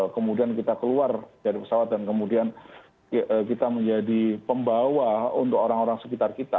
kemudian kita keluar dari pesawat dan kemudian kita menjadi pembawa untuk orang orang sekitar kita